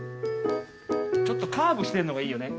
ちょっとカーブしてるのがいいよね。